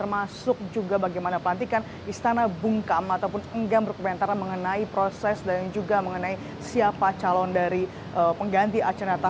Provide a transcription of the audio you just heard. masuk juga bagaimana pelantikan istana bungkam ataupun enggan berkomentar mengenai proses dan juga mengenai siapa calon dari pengganti acara